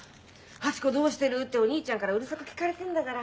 「ハチ子どうしてる？」ってお兄ちゃんからうるさく聞かれてんだから。